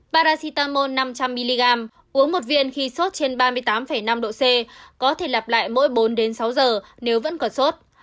parasitamol năm trăm linh mg uống một viên khi sốt trên ba mươi tám năm độ c có thể lặp lại mỗi bốn sáu giờ nếu vẫn còn sốt